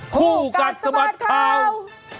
คู่กันสมัครข่าว